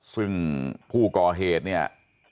ซึ่งผู้ก่อเหตุเนี่ย